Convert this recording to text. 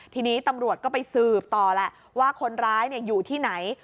ทีนี้ตำรวจก็ไปสืบต่อแหละว่าคนร้ายอยู่ที่ไหน